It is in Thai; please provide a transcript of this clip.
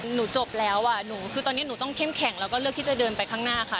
จบแล้วอ่ะหนูคือตอนนี้หนูต้องเข้มแข็งแล้วก็เลือกที่จะเดินไปข้างหน้าค่ะ